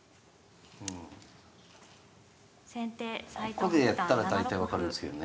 ここでやったら大体分かるんですけどね。